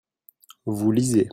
vous lisez.